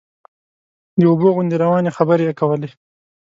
د اوبو غوندې روانې خبرې یې کولې.